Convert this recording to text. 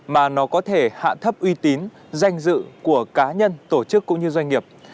mà nó có thể hạ thấp uy tín danh dự của cá nhân tổ chức cũng như doanh nghiệp